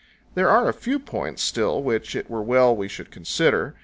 There are a few points still which it were well we should consider.